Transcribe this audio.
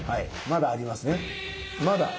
まだあります。